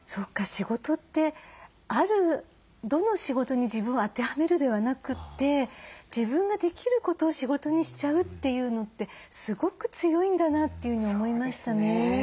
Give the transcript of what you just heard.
仕事ってあるどの仕事に自分を当てはめるではなくて自分ができることを仕事にしちゃうっていうのってすごく強いんだなというふうに思いましたね。